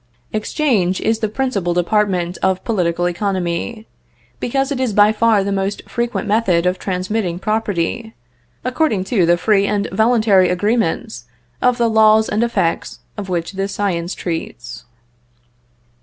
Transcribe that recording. Exchange is the principal department of political economy, because it is by far the most frequent method of transmitting property, according to the free and voluntary agreements of the laws and effects of which this science treats.